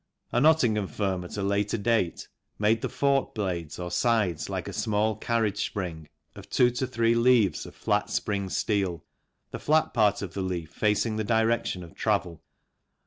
A Nottingham firm, at a later date, made the fork blades or sides like a small carriage spring of two to three leaves of flat spring steel, the flat part of the leaf facing the direction of travel.